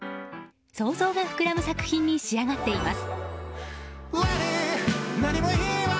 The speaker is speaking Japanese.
想像が膨らむ作品に仕上がっています。